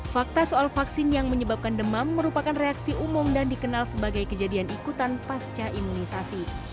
fakta soal vaksin yang menyebabkan demam merupakan reaksi umum dan dikenal sebagai kejadian ikutan pasca imunisasi